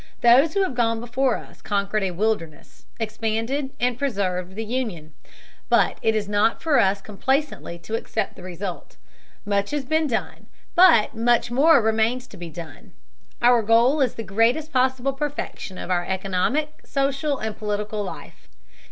Those who have gone before us conquered a wilderness, expanded and preserved the Union. But it is not for us complacently to accept the result. Much has been done, but much more remains to be done. Our goal is the greatest possible perfection of our economic, social and political life.